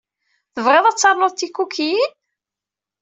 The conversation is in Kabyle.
Tebɣiḍ ad ternuḍ tikukiyin?